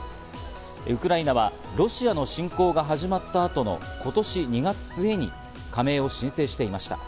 ウクライナはロシアの侵攻が始まった後の今年２月末に加盟を申請していました。